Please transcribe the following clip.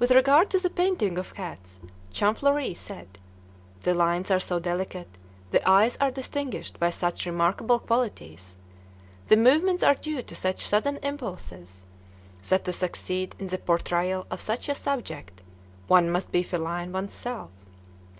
With regard to the painting of cats Champfleury said, "The lines are so delicate, the eyes are distinguished by such remarkable qualities, the movements are due to such sudden impulses, that to succeed in the portrayal of such a subject, one must be feline one's self."